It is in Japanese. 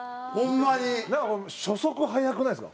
土田：初速、速くないですか？